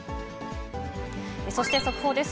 そして速報です。